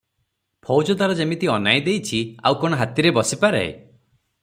ଫୌଜଦାର ଯିମିତି ଅନାଇ ଦେଇଛି, ଆଉ କଣ ହାତୀରେ ବସିପାରେ!